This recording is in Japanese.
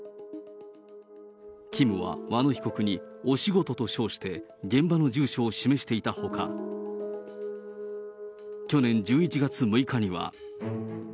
ＫＩＭは和野被告に、お仕事と称して、現場の住所を示していたほか、去年１１月６日には。